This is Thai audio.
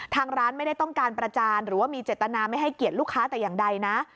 ทางร้านไม่ได้ต้องการประจานหรือว่ามีเจตนาไม่ให้เกียรติลูกค้าแต่อย่างใดนะ